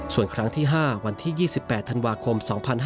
ส่วนครั้งที่๕วันที่๒๘ธันวาคม๒๕๕๙